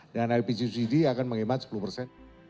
lpg subsidi akan menghemat sepuluh persen